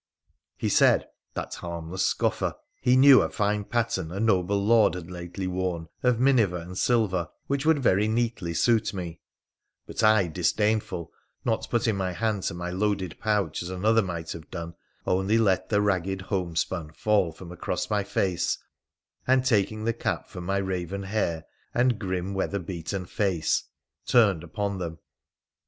He said, that harmless scoffer, he knew a fine pattern a noble lord had lately worn, of minever and silver, which would very neatly suit me— PHRA THE PHCENICIAN 137 but I, disdainful, not putting my hand to my loaded pouch as another might have done, only let the ragged homespun fall from across my face, and, taking the cap from my raven hair and grim, weather beaten face, turned upon them.